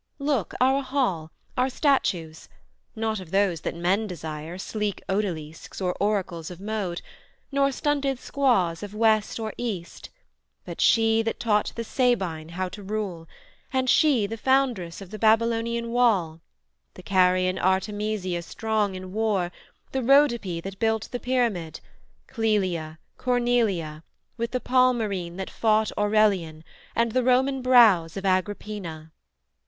Look, our hall! Our statues! not of those that men desire, Sleek Odalisques, or oracles of mode, Nor stunted squaws of West or East; but she That taught the Sabine how to rule, and she The foundress of the Babylonian wall, The Carian Artemisia strong in war, The Rhodope, that built the pyramid, Clelia, Cornelia, with the Palmyrene That fought Aurelian, and the Roman brows Of Agrippina.